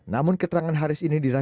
namun keterangan haris ini dilakukan